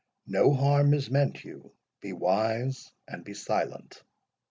—No harm is meant you—be wise and be silent."